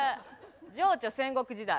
情緒戦国時代。